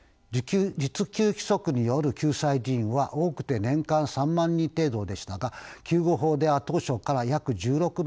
恤救規則による救済人員は多くて年間３万人程度でしたが救護法では当初から約１６万人を救済しました。